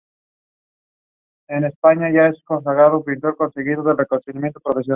Incluso puede ser posible construir paneles solares a partir de materiales lunares.